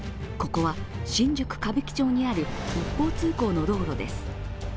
ここは新宿・歌舞伎町にある一方通行の道路です。